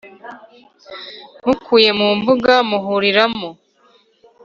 mukuye mu mbuga muhuriramo